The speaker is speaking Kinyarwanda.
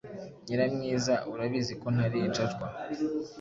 Nyiramwiza: Urabizi ko ntari injajwa!